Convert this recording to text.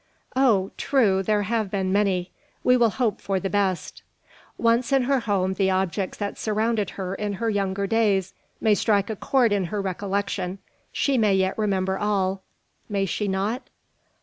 "Oh! true, there have been many. We will hope for the best." "Once in her home the objects that surrounded her in her younger days may strike a chord in her recollection. She may yet remember all. May she not?"